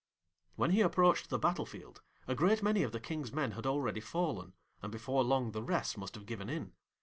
When he approached the battle field a great many of the King's men had already fallen, and before long the rest must have given in.